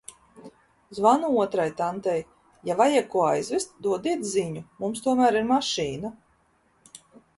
Zvanu otrai tantei: "Ja vajag ko aizvest, dodiet ziņu, mums tomēr ir mašīna".